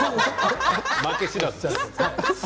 負け知らずです。